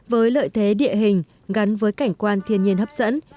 với lợi thế địa hình gắn với cảnh quan thiên nhiên hấp dẫn